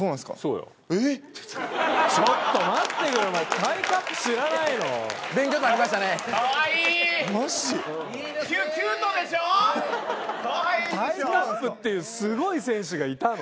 タイ・カッブっていうすごい選手がいたの。